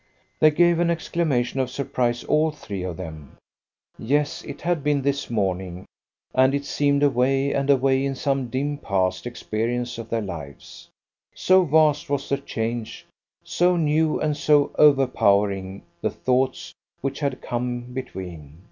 They gave an exclamation of surprise, all three of them. Yes, it had been this morning; and it seemed away and away in some dim past experience of their lives, so vast was the change, so new and so overpowering the thoughts which had come between.